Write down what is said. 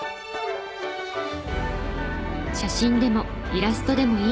写真でもイラストでもいい。